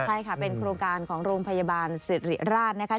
ใช่ค่ะเป็นโครงการของโรงพยาบาลสิริราชนะคะ